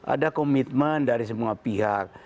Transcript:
ada komitmen dari semua pihak